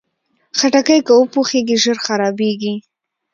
خټکی که وپوخېږي، ژر خرابېږي.